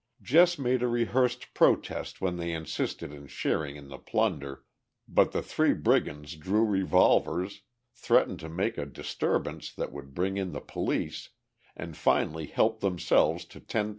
Jess made a rehearsed protest when they insisted in sharing in the plunder, but the "Three Brigands" drew revolvers, threatened to make a disturbance that would bring in the police, and finally helped themselves to $10,000.